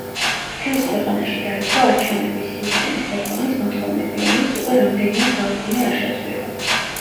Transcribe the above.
მთელს ქვეყანაში დაიწყო არჩევნების სისტემის რეფორმის მოთხოვნები, რომელიც უკვე რამდენიმე საუკუნე არ შეცვლილა.